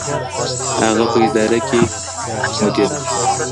هغه په اداره کي مديړه ده.